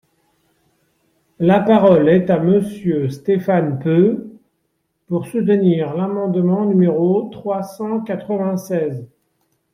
La parole est à Monsieur Stéphane Peu, pour soutenir l’amendement numéro trois cent quatre-vingt-seize.